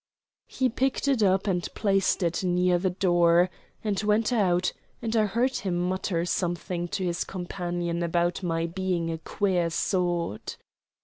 He picked it up and placed it near the door, and went out, and I heard him mutter something to his companion about my being a "queer sort."